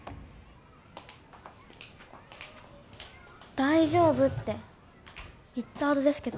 大丈夫って言ったはずですけど。